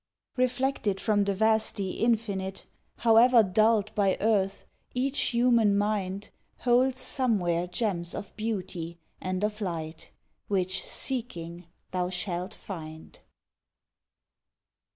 Reflected from the vasty Infinite, However dulled by earth, each human mind Holds somewhere gems of beauty and of light Which, seeking, thou shalt find.